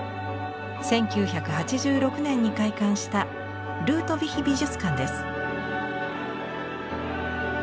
１９８６年に開館したルートヴィヒ美術館です。